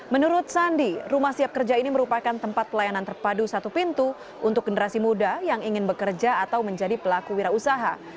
menurut sandi rumah siap kerja ini merupakan tempat pelayanan terpadu satu pintu untuk generasi muda yang ingin bekerja atau menjadi pelaku wira usaha